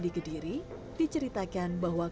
di kediri diceritakan bahwa